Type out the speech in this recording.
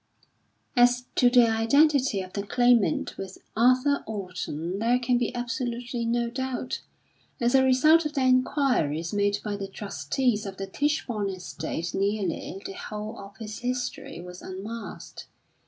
As to the identity of the Claimant with Arthur Orton there can be absolutely no doubt. As a result of the enquiries made by the trustees of the Tichborne estate nearly the whole of his history was unmasked.